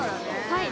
◆はい。